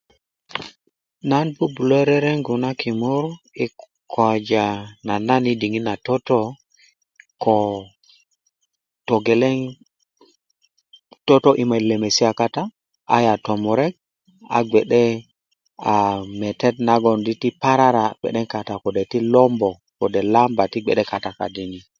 nan bubulö rereŋgu na kimur yi koja na nan yi diŋit na toto ko togeleŋ toto yi lemesia kata aya ko tomurek a gbe'de metet nagon di ti parara gwe kata kode lombo kode ti lomba ti bge'de kata kadini